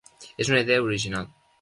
És una idea original.